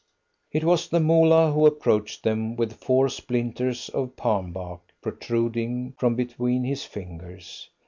It was the Moolah who approached them with four splinters of palm bark protruding from between his fingers.